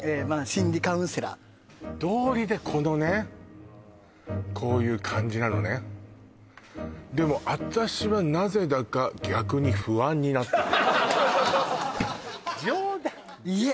心理カウンセラーどうりでこのねこういう感じなのねでも私はなぜだか冗談冗談いえ